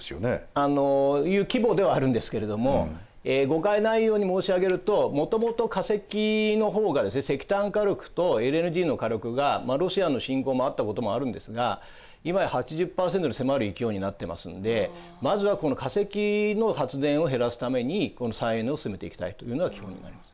あの規模ではあるんですけれども誤解ないように申し上げるともともと化石の方がですね石炭火力とＬＮＧの火力がロシアの侵攻もあったこともあるんですが今や８０％に迫る勢いになっていますんでまずはこの化石の発電を減らすためにこの再エネを進めていきたいというのが基本になります。